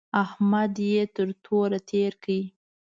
احمد يې تر توره تېر کړ.